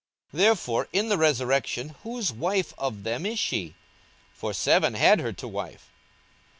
42:020:033 Therefore in the resurrection whose wife of them is she? for seven had her to wife.